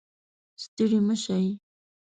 ستړي مه شئ